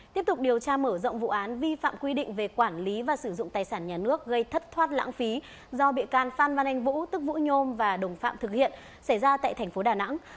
tiếp tục điều tra mở rộng vụ án vi phạm quy định về quản lý và sử dụng tài sản nhà nước gây thất thoát lãng phí do bị can phan văn anh vũ tức vũ nhôm và đồng phạm thực hiện xảy ra tại tp đà nẵng